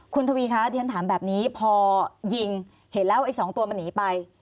คุณทวีคะที่ฉันถามแบบนี้พอยิงเห็นแล้วไอ้๒ตัวมันหนีไป